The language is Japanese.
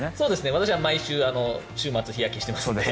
私は毎週週末日焼けしてますので。